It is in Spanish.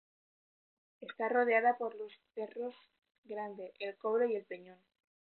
Está rodeada por los cerros Grande, El Cobre y El Peñón.